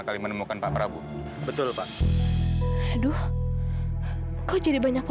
sampai jumpa di video selanjutnya